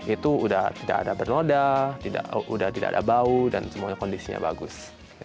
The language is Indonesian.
itu sudah tidak ada bernoda sudah tidak ada bau dan semuanya kondisinya bagus